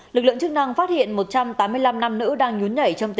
lực lượng chức năng phát hiện một trăm tám mươi năm năm nữ đang nhún nhảy trong trại